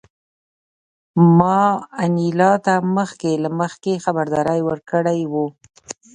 ما انیلا ته مخکې له مخکې خبرداری ورکړی و